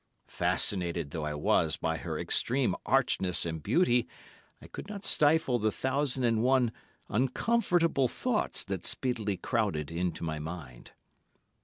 Fascinated though I was by her extreme archness and beauty, I could not stifle the thousand and one uncomfortable thoughts that speedily crowded into my mind.